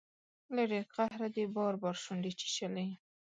له ډیر قهره دې بار بار شونډې چیچلي